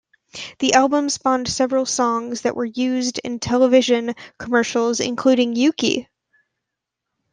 The album spawned several songs that were used in television commercials, including Yuki!